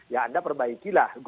ya anda perbaikilah